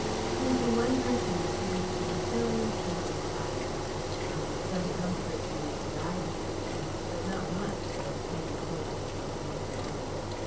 He was the one person who seemed to be thoroughly satisfied. There was some comfort to be derived from this, but not much, as Hetty told herself miserably.